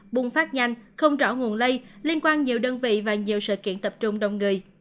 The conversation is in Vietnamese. bùng phát nhanh không rõ nguồn lây liên quan nhiều đơn vị và nhiều sự kiện tập trung đông người